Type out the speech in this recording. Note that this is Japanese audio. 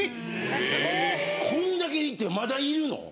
こんだけいてまだいるの？